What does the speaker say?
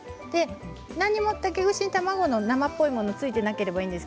何も竹串に卵の生っぽいものが付いていなければいいんです